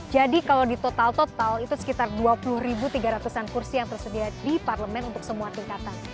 jadi kalau di total total itu sekitar dua puluh tiga ratus an kursi yang tersedia di parlemen untuk semua tingkatan